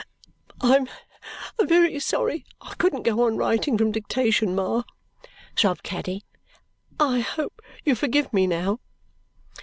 "I am very sorry I couldn't go on writing from dictation, Ma," sobbed Caddy. "I hope you forgive me now."